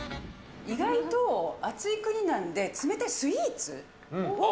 意外と暑い国なんで、冷たいスイーツ。